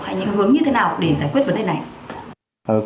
hay những hướng như thế nào để giải quyết vấn đề này